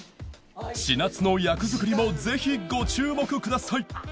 ちなつの役作りもぜひご注目ください